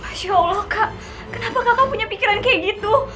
masya allah kak kenapa kakak punya pikiran kayak gitu